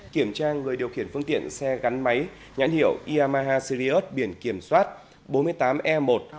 kiểm tra người điều khiển phương tiện xe gắn máy nhãn hiệu iamaha syriot biển kiểm soát bốn mươi tám e một